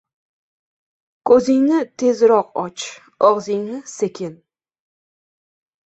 • Ko‘zingni tezroq och, og‘zingni — sekin.